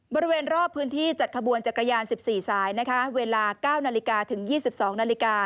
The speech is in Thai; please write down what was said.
บริเวณรอบพื้นที่จัดขบวนจักรยาน๑๔สายเวลา๙นาฬิกาถึง๒๒นาฬิกา